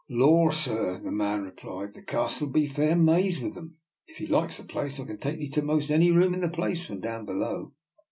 " Lor, sir," the man replied, " the Castle be fair mazed with them. If 'ee likes, I can take 'ee into most any room in the place from down below."